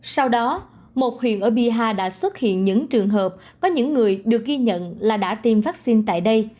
sau đó một huyện ở biaha đã xuất hiện những trường hợp có những người được ghi nhận là đã tiêm vaccine tại đây